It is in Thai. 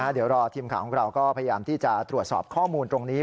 เดี๋ยวรอทีมข่าวของเราก็พยายามที่จะตรวจสอบข้อมูลตรงนี้